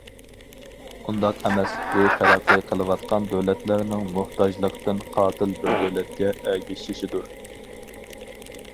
ئۇنداق ئەمەس، بۇ تەرەققىي قىلىۋاتقان دۆلەتلەرنىڭ موھتاجلىقتىن قاتىل بىر دۆلەتكە ئەگىشىشتۇر.